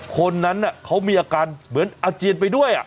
คนนั้นเขามีอาการเหมือนอาเจียนไปด้วย